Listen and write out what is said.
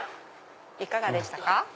いかがでしたか？